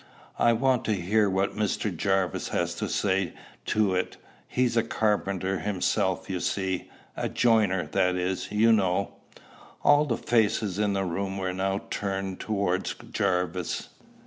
"I want to hear what Mr. Jarvis has to say to it: he's a carpenter himself, you see, a joiner, that is, you know." All the faces in the room were now turned towards Jarvis.